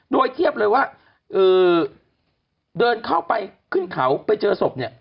โดยเทียบเลยว่าเดินเข้าไปขึ้นเขาไปเจอศพเนี่ย